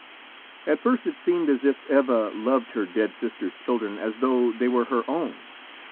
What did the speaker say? At first it seemed as if Eva loved her dead sister's children as though they were her own.